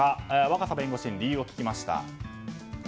若狭弁護士に理由を聞きました。